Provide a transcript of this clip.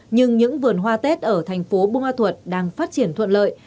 nhưng những vườn hoa tết ở thành phố bù ma thuật đang phát triển thuận lợi